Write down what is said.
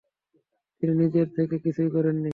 তিনি নিজের থেকে কিছুই করেননি।